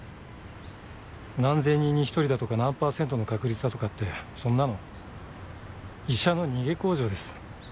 何千に一人だとか何パーセントの確率だとかってそんなの医者の逃げ口上です。